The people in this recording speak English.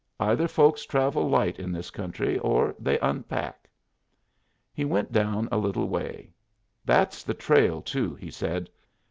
"Either folks travel light in this country or they unpack." He went down a little way. "That's the trail too," he said.